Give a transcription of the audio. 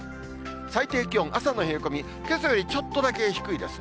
最低気温、朝の冷え込み、けさよりちょっとだけ低いですね。